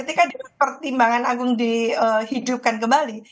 ketika pertimbangan agung dihidupkan kembali